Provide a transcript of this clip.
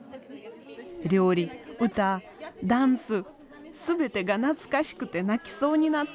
料理歌ダンス全てが懐かしくて泣きそうになった。